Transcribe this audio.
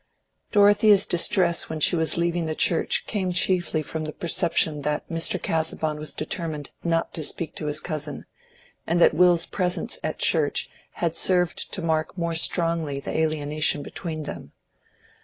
Dorothea's distress when she was leaving the church came chiefly from the perception that Mr. Casaubon was determined not to speak to his cousin, and that Will's presence at church had served to mark more strongly the alienation between them.